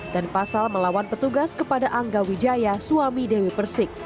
dan pasal melawan petugas kepada angga wijaya suami dewi persik